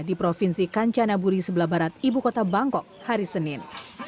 di provinsi kancanaburi sebelah barat ibu kota bangkok hari senin